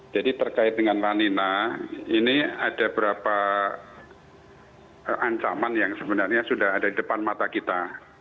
jadi terkait dengan lanina ini ada beberapa ancaman yang sebenarnya sudah ada di depan mata kita